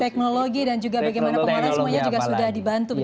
teknologi dan juga bagaimana pengolahan semuanya sudah dibantu